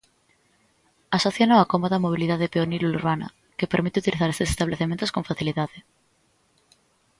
Asóciano á "cómoda mobilidade peonil urbana" que "permite utilizar estes estabelecementos con facilidade".